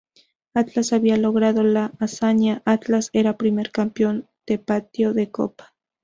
Atlas había logrado la hazaña; Atlas era primer campeón tapatío de copa.